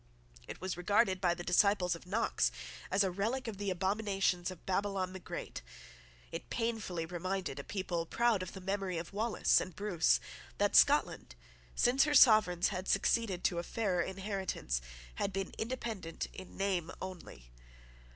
It was regarded by the disciples of Knox as a relic of the abominations of Babylon the Great. It painfully reminded a people proud of the memory of Wallace and Bruce that Scotland, since her sovereigns had succeeded to a fairer inheritance, had been independent in name only.